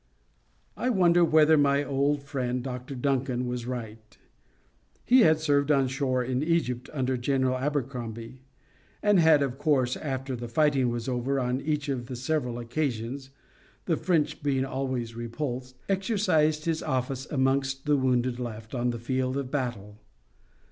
I wonder whether my old friend Dr Duncan was right. He had served on shore in Egypt under General Abercrombie, and had of course, after the fighting was over on each of the several occasions—the French being always repulsed—exercised his office amongst the wounded left on the field of battle.